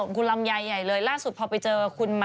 คุณวียาก็ไม่ว่าง